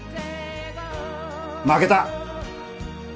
負けた。